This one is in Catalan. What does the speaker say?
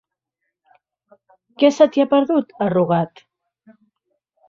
Què se t'hi ha perdut, a Rugat?